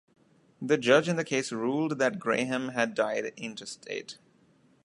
The judge in the case ruled that Graham had died intestate.